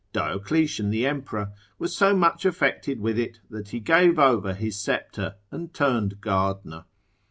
Diocletian, the emperor, was so much affected with it, that he gave over his sceptre, and turned gardener.